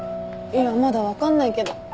いやまだ分かんないけど。